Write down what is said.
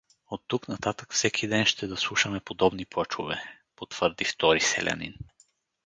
Оттук нататък всеки ден ще да слушаме подобни плачове — потвърди втори селянин.